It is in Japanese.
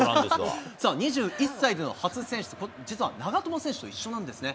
２１歳での初選出、実は長友選手と同じなんですね。